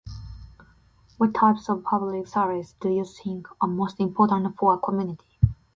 What types of public service do you think are most important for a community?